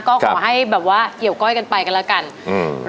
ก็ขอให้แบบว่าเกี่ยวก้อยกันไปกันแล้วกันอืม